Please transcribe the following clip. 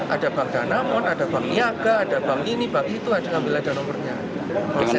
ada bank danamon ada bank niaga ada bank ini itu ada nomornya